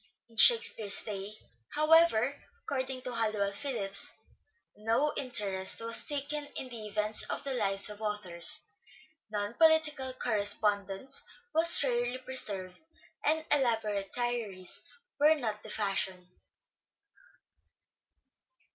In " Shakespeare's " day, however, according to Halliwell Phillipps " no interest was taken in the events of the lives of authors ... non political corre spondence was rarely preserved, (and) elaborate diaries were not the fashion."